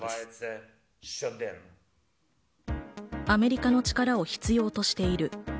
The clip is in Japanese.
アメリカの力を必要としている。